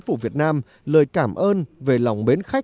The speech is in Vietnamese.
tôi nghĩ đây là một nơi tuyệt vời